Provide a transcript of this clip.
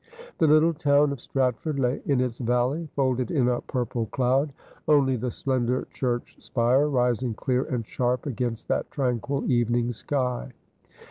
The little town of Stratford lay in its valley, folded in a purple cloud, only the slender church spire rising clear and sharp against that tranquil evening sky.